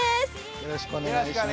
よろしくお願いします。